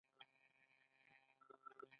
زمر د غوایه غوږه لېشه لېشه کړه.